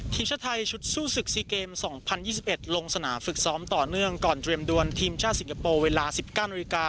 ทีมชาติไทยชุดสู้ศึก๔เกม๒๐๒๑ลงสนามฝึกซ้อมต่อเนื่องก่อนเตรียมดวนทีมชาติสิงคโปร์เวลา๑๙นาฬิกา